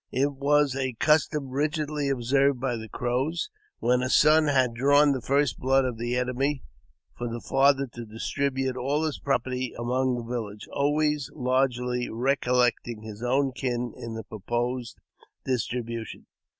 It was a custom rigidly observed by the Crows, when a son had drawn the first blood of the enemy, for the father to dis tribute all his property among the village, always largely recol lecting his own kin in the proposed distribution.